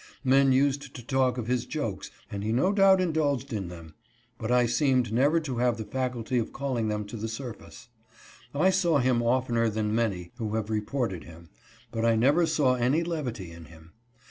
Men used to talk of his jokes, and he no doubt indulged in them ; but I seemed never to have the faculty of calling them to the surface. I saw him oftener than many who have reported him, but I never saw any levity in him.